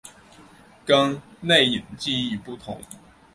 跟内隐记忆不同。